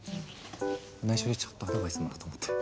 ないしょでちょっとアドバイスもらおうと思って。